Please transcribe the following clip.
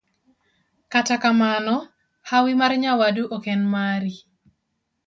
Kata kamano, hawi mar nyawadu ok en mari.